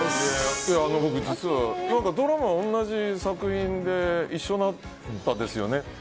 僕実はドラマ、同じ作品で一緒になったんですよね。